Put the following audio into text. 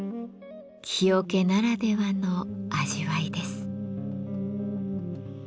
木桶ならではの味わいです。